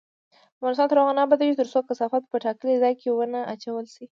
افغانستان تر هغو نه ابادیږي، ترڅو کثافات په ټاکلي ځای کې ونه اچول شي.